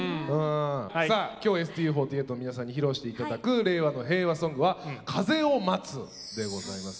さあ今日ＳＴＵ４８の皆さんに披露して頂く「れいわのへいわソング」は「風を待つ」でございます。